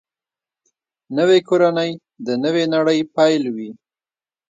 نوې کورنۍ د نوې نړۍ پیل وي